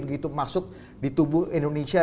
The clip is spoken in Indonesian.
begitu masuk di tubuh indonesia